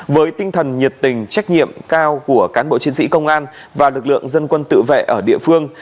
với tinh thần nhiệt tình trách nhiệm cao của cán bộ chiến sĩ công an và lực lượng dân quân tự vệ ở địa phương